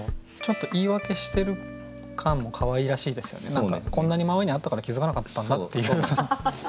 だからこんなに真上にあったから気づかなかったんだっていう。